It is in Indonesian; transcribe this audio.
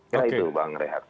karena itu bang rehat